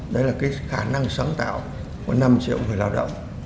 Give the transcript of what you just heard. đấy là cái khả năng sáng tạo của năm triệu người lao động